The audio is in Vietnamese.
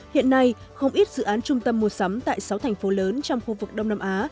hiện nay không ít dự án trung tâm mua sắm tại sáu thành phố lớn trong khu vực đông nam á